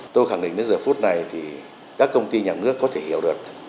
tôi khẳng định đến giờ phút này thì các công ty nhà nước có thể hiểu được